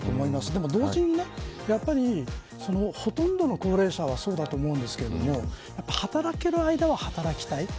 でも同時にほとんどの高齢者はそうだと思いますが働ける間は働きたい。